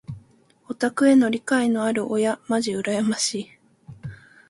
オタクへの理解のある親まじ羨ましい。